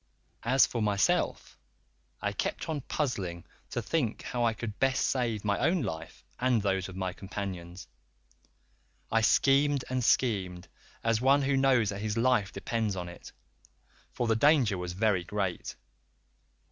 "As for myself I kept on puzzling to think how I could best save my own life and those of my companions; I schemed and schemed, as one who knows that his life depends upon it, for the danger was very great.